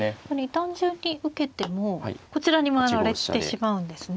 単純に受けてもこちらに回られてしまうんですね。